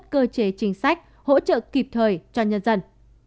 cơ chế chính sách hỗ trợ kịp thời cho nhân dân